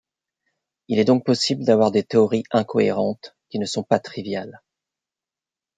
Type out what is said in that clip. Il est donc possible d’avoir des théories incohérentes qui ne sont pas triviales.